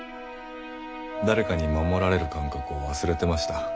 誰かに守られる感覚を忘れてました。